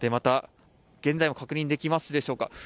現在、確認できますでしょうか。